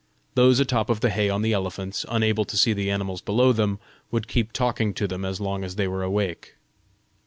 Those atop of the hay on the elephants, unable to see the animals below them, would keep talking to them as long as they were awake.